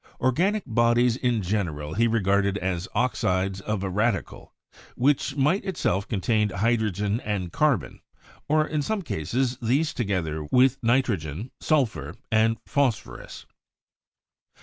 Organic bodies in general he regarded as oxides of a radical, which might Itself contain hydrogen and carbon, or in some cases these together with nitrogen, sulphur, and phosphorus.